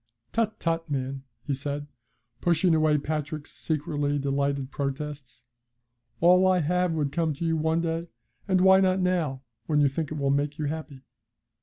Tut, tut, man!' he said, pushing away Patrick's secretly delighted protests, 'all I have would come to you one day, and why not now, when you think it will make you happy?'